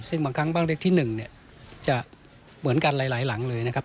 ซึ่งบางครั้งบ้านเล็กที่๑จะเหมือนกันหลายหลังเลยนะครับ